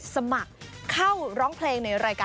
สวัสดีค่ะสวัสดีค่ะ